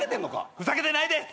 ふざけてないです！